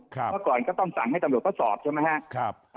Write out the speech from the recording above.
เมื่อก่อนก็ต้องสั่งให้ตำรวจเขาสอบใช่ไหมครับ